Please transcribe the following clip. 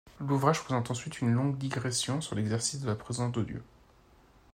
L'ouvrage présente ensuite une longue digression sur l'exercice de la présence de Dieu.